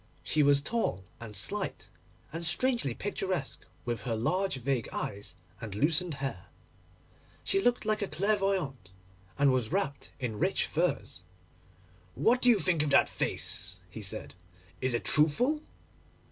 She was tall and slight, and strangely picturesque with her large vague eyes and loosened hair. She looked like a clairvoyante, and was wrapped in rich furs. 'What do you think of that face?' he said; 'is it truthful?